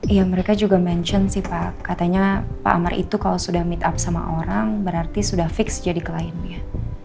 iya mereka juga mention sih pak katanya pak amar itu kalau sudah meetup sama orang berarti sudah fix jadi kliennya